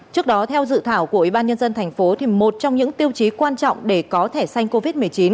trước đó theo dự thảo của ubnd tp hcm thì một trong những tiêu chí quan trọng để có thẻ xanh covid một mươi chín